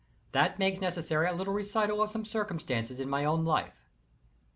That makes necessary a little recital of some circumstances in my own life.